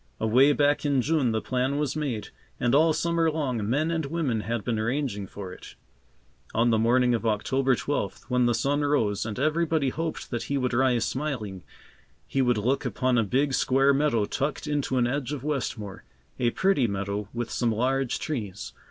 Away back in June the plan was made, and all summer long, men and women had been arranging for it. On the morning of October twelfth, when the sun rose, and everybody hoped that he would rise smiling, he would look upon a big square meadow tucked into an edge of Westmore, a pretty meadow with some large trees.